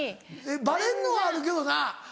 バレんのはあるけどな。